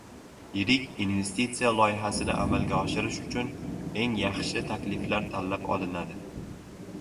Yirik investisiya loyihasini amalga oshirish uchun eng yaxshi takliflar tanlab olinadi